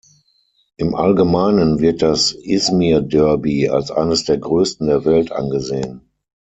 Im Allgemeinen wird das Izmir-Derby als eines der größten der Welt angesehen.